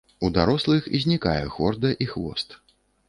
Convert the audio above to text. У дарослых знікае хорда і хвост.